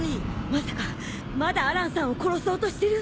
まさかまだアランさんを殺そうとしてる？